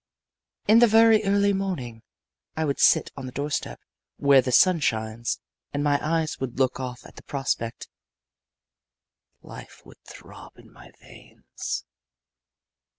In the very early morning I would sit on the doorstep where the sun shines, and my eyes would look off at the prospect. Life would throb in my veins.